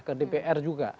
ke dpr juga